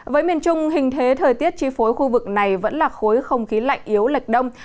với miền trung hình thế thời tiết chi phối khu vực này vẫn là khối không khí lạnh yếu lệch đông